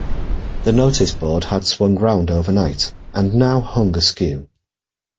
The noticeboard had swung round overnight, and now hung askew.